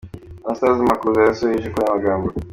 Anastase Makuza yasozereje kuri Aya magambo.